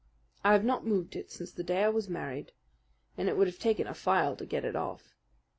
I have not moved it since the day I was married, and it would have taken a file to get it off.